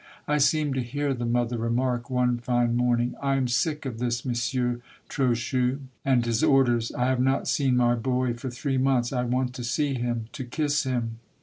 I seemed to hear the mother remark one fine morning, " I am sick of this Monsieur Trochu, and his orders. I have not seen my boy for three months. I want to see him, to kiss him."